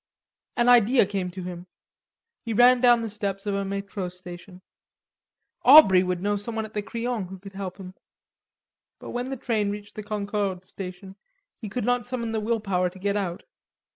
An idea came to him. He ran down the steps of a metro station. Aubrey would know someone at the Crillon who could help him. But when the train reached the Concorde station, he could not summon the will power to get out.